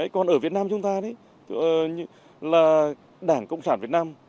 còn ở việt nam chúng ta đấy là đảng cộng sản việt nam